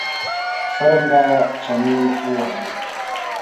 څرنګه چنې ووهلې.